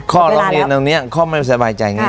ข้อลองเรียนตรงนี้ข้อไม่สบายใจยังไง